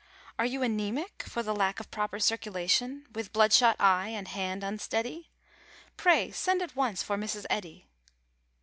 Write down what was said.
Are you anæmic, for the lack Of proper circulation? With bloodshot eye and hand unsteady? Pray send at once for Mrs. Eddy.